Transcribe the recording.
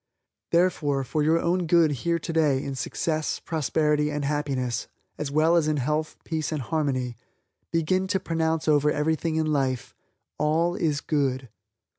Therefore, for your own good here today in success, prosperity and happiness as well as in health, peace and harmony, begin to pronounce over everything in life, All is Good.